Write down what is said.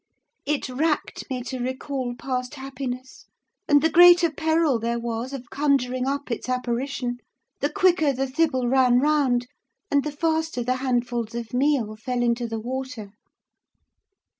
It racked me to recall past happiness and the greater peril there was of conjuring up its apparition, the quicker the thible ran round, and the faster the handfuls of meal fell into the water.